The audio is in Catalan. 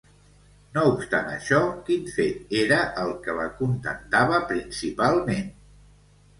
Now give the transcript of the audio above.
No obstant això, quin fet era el que l'acontentava principalment?